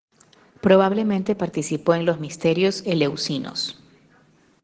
Probablemente participó en los Misterios eleusinos.